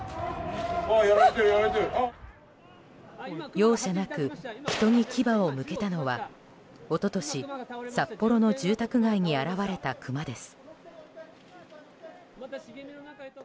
容赦なく人に牙を向けたのは一昨年、札幌の住宅街に現れたクマです。